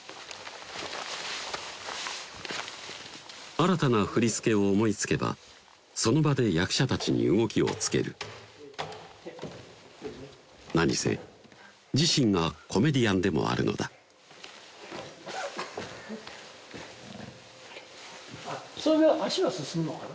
新たな振り付けを思いつけばその場で役者たちに動きをつける何せ自身がコメディアンでもあるのだそれで足は進むのかな？